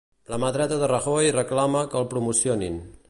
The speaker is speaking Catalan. La mà dreta de Rajoy reclama que el promocionin